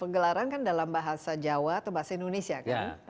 gelaran kan dalam bahasa jawa atau bahasa indonesia kan